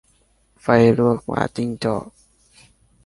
ไฟลวกหมาจิ้งจอก